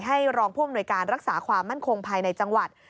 ให้รองพลวงหน่วยการรักษามั่นคงภายในจังหวัด